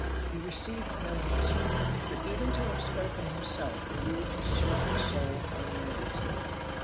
He received no answer; but even to have spoken himself relieved his swelling soul for a minute or two.